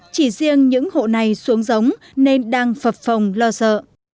chỉ riêng những hộ này xuống giống nên đang phập phòng lo sợ